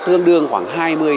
tương đương khoảng